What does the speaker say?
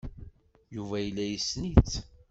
Yuba yella yessen-itt.